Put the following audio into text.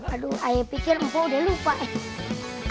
aduh ayo pikir empo udah lupa eh